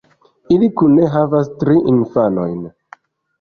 Ili kune havas tri infanojn.